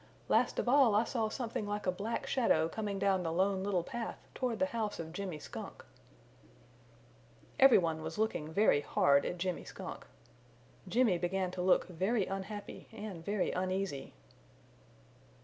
Last of all I saw something like a black shadow coming down the Lone Little Path toward the house of Jimmy Skunk." Every one was looking very hard at Jimmy Skunk. Jimmy began to look very unhappy and very uneasy.